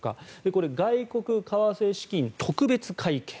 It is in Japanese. これ、外国為替資金特別会計。